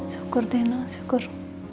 syukur deh noh syukur